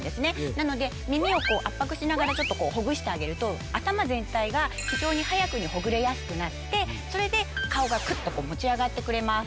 なので耳を圧迫しながらほぐしてあげると頭全体が非常に早くにほぐれやすくなってそれで顔がくっと持ち上がってくれます。